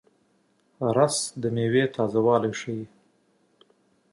رس د میوې تازهوالی ښيي